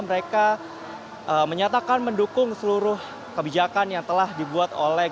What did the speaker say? mereka menyatakan mendukung seluruh kebijakan yang telah dibuat oleh